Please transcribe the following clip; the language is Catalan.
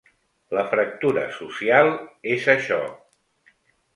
La fractura social és això.